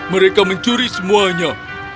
mereka mencuri semuanya